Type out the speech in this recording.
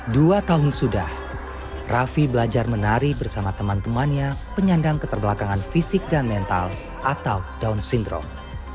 dua tahun sudah raffi belajar menari bersama teman temannya penyandang keterbelakangan fisik dan mental atau down syndrome